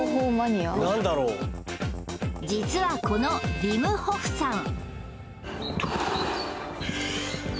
実はこのヴィム・ホフさん